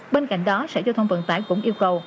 bên cạnh đó sở giao thông vận tải cũng yêu cầu